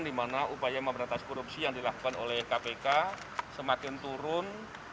di mana upaya memberantas korupsi yang dilakukan oleh kpk semakin turun